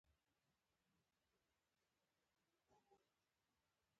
په مصر کې د ودانیو جسامت خورا لوی و.